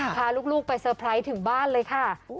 พาลูกไปเตอร์ไพรส์ถึงบ้านเลยค่ะ